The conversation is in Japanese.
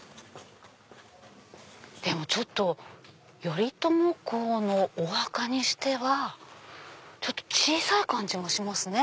でもちょっと頼朝公のお墓にしては小さい感じもしますね。